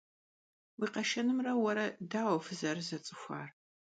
Vui kheşşenımre vuere daue fızerızets'ıxuar?